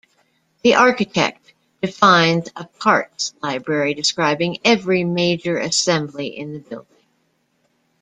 The architect defines a parts library describing every major assembly in the building.